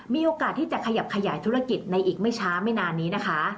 มีโอกาสที่จะขยับขยายธุรกิจในอีกไม่ช้าไม่นานนี้นะคะ